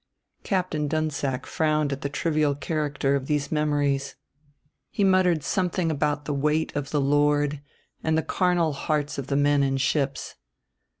Captain Dunsack frowned at the trivial character of these memories. He muttered something about the weight of the Lord, and the carnal hearts of the men in ships.